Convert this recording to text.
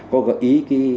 có gợi ý